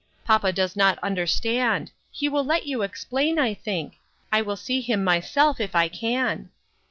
Papa does not understand ; he will let you explain, I think. I will see him myself if I can."